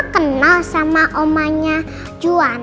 oma kenal sama omanya juwana